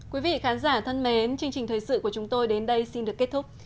quý vị khán giả thân mến chương trình thời sự của chúng tôi đến đây xin được kết thúc